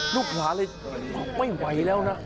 ลูกภาพเลยก็ไม่ไหวแล้วนะ